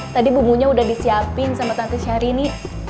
tadi bumbunya udah disiapin sama tante syahrini